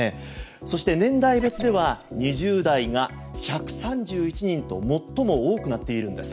そして、年代別では２０代が１３１人と最も多くなっているんです。